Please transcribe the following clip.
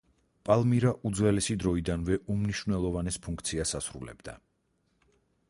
პალმირა უძველესი დროიდანვე უმნიშვნელოვანეს ფუნქციას ასრულებდა.